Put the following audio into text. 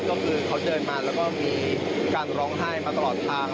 ก็คือเขาเดินมาแล้วก็มีการร้องไห้มาตลอดทาง